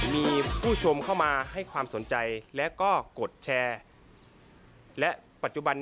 มีผู้ชมเข้ามาให้ความสนใจแล้วก็กดแชร์